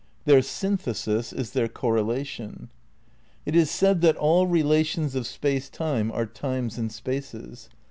Their synthesis is their correlation. It is said that all relations of Space Time are times and spaces.